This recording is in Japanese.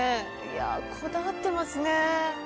いやこだわってますね。